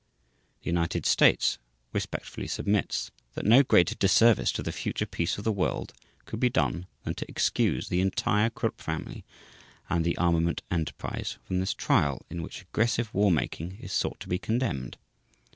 The United States respectfully submits that no greater disservice to the future peace of the world could be done than to excuse the entire Krupp family and the armament enterprise from this Trial in which aggressive war making is sought to be condemned.